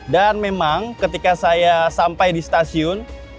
dan memang ketika saya sampai di stasiun